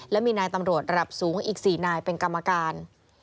และมีนายตำรวจระดับสูงอีก๔นายเป็นกรรมการ